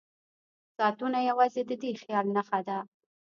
ساعتونه یوازې د دې خیال نښه ده.